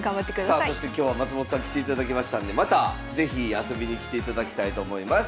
さあそして今日は松本さん来ていただきましたんでまた是非遊びに来ていただきたいと思います。